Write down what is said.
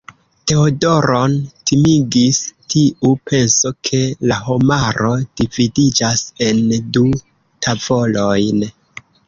Teodoron timigis tiu penso, ke la homaro dividiĝas en du tavolojn.